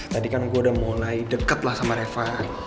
tadi kan gue udah mulai deket lah sama reva